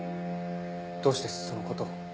どうしてその事を。